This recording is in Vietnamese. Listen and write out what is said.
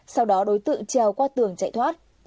sau đó đối tượng treo qua tường chạy thoát